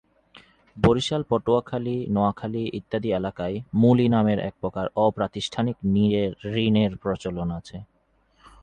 বরিশাল, পটুয়াখালী, নোয়াখালী ইত্যাদি এলাকায় মূলী নামের একপ্রকার অপ্রাতিষ্ঠানিক ঋণের প্রচলন আছে।